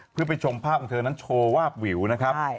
เพื่อไปชมภาพของเธอนั้นโชว์วาบวิวนะครับ